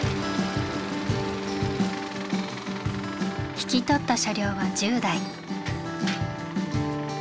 引き取った車両は１０台。